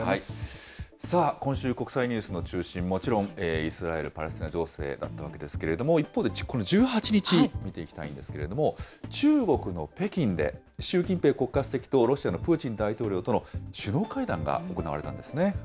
さあ、今週、国際ニュースの中心、もちろんイスラエル・パレスチナ情勢だったわけですけれども、一方で１８日、見ていただきたいんですけれども、中国の北京でロシアのプーチン大統領との首脳会談が行われたんですね。